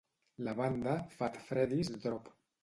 La banda Fat Freddy's Drop.